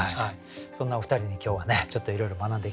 そんなお二人に今日はねちょっといろいろ学んでいきたいと思います。